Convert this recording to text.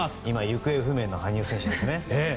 今、行方不明の羽生選手ですね。